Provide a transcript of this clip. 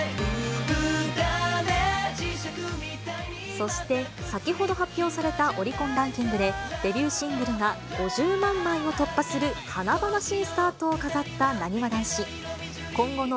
そして先ほど発表されたオリコンランキングで、デビューシングルが５０万枚を突破する華々しいスタートを飾ったなにわ男子。